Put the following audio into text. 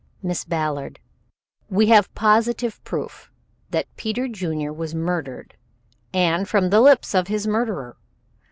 "Miss Ballard, we have positive proof that Peter Junior was murdered and from the lips of his murderer.